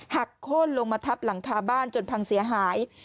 โค้นลงมาทับหลังคาบ้านจนพังเสียหาย